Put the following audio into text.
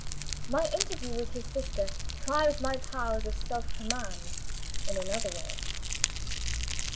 My interview with his sister tried my powers of self command in another way.